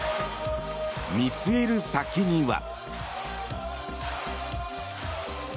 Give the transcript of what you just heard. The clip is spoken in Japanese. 見据える先には。